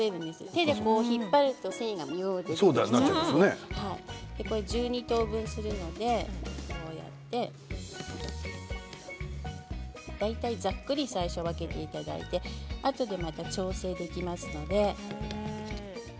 手で引っ張ると繊維が出てきますから１２等分しますので大体ざっくり最初、分けていただいてあとで、また調整ができますので。